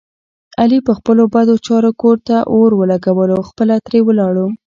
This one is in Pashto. علي په خپلو بدو چارو کور ته اور ولږولو خپله ترې ولاړو.